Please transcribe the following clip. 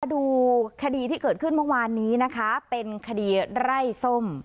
ดูคดีที่เกิดขึ้นเมื่อวานนี้นะคะเป็นคดีไร่ส้ม